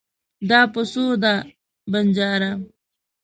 دا په څو دی ؟ بنجاره